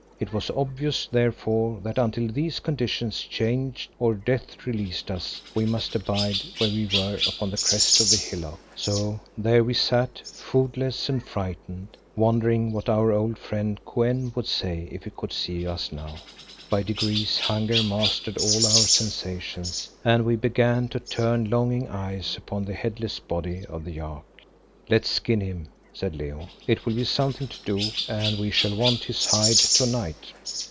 It was obvious, therefore, that until these conditions changed, or death released us, we must abide where we were upon the crest of the hillock. So there we sat, foodless and frightened, wondering what our old friend Kou en would say if he could see us now. By degrees hunger mastered all our other sensations and we began to turn longing eyes upon the headless body of the yak. "Let's skin him," said Leo, "it will be something to do, and we shall want his hide to night."